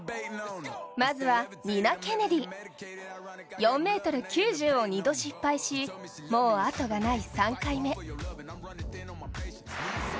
まずはニナ・ケネディ、４ｍ９０を２度失敗しもうあとがない３回目。